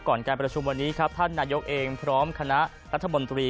การประชุมวันนี้ครับท่านนายกเองพร้อมคณะรัฐมนตรี